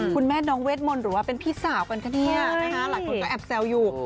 คุณแม่น้องเวทมนต์หรือว่าเป็นพี่สาวกันคะเนี่ยนะคะหลายคนก็แอบแซวอยู่